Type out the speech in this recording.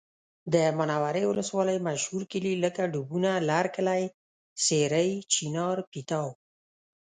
د منورې ولسوالۍ مشهور کلي لکه ډوبونه، لرکلی، سېرۍ، چینار، پیتاو